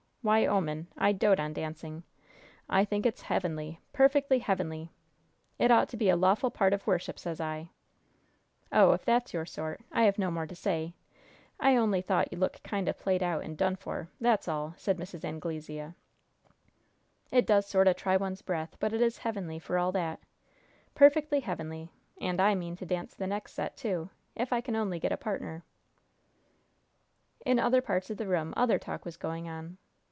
Why, 'oman, I dote on dancing! I think it's heavenly perfectly heavenly! It ought to be a lawful part of worship, sez I!" "Oh, if that's your sort, I have no more to say! I only thought you looked kind o' played out and done for, that's all!" said Mrs. Anglesea. "It does sort o' try one's breath; but it is heavenly, for all that! Perfectly heavenly! And I mean to dance the next set, too, if I can only get a partner!" In other parts of the room other talk was going on.